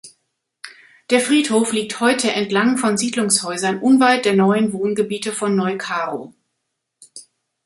Der Friedhof liegt heute entlang von Siedlungshäusern unweit der neuen Wohngebiete von Neu-Karow.